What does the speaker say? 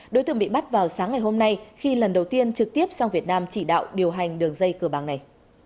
đối tượng bị bắt vào sáng ngày hôm nay khi lần đầu tiên trực tiếp sang việt nam chỉ đạo điều hành đường dây cờ bạc này